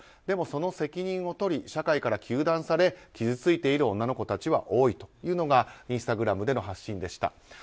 でも、その責任を取り社会から糾弾され傷ついている女の子たちは多いというのがインスタグラムでの発信でした。